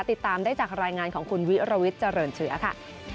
ติดตามได้จากรายงานของคุณวิรวิทย์เจริญเชื้อค่ะ